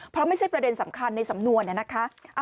เพราะไม่ใช่ประเด็นสำคัญในสำนวนนะคะ